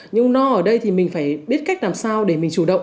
nhưng nó ở đây thì mình phải biết cách làm sao để mình chủ động